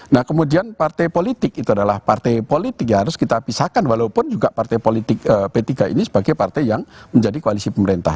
nah kemudian partai politik itu adalah partai politik ya harus kita pisahkan walaupun juga partai politik p tiga ini sebagai partai yang menjadi koalisi pemerintah